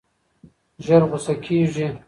ژر غوسه کېږي.